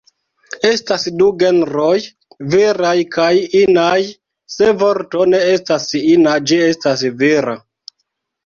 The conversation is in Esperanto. Estas du genroj: viraj kaj inaj, se vorto ne estas ina, ĝi estas vira.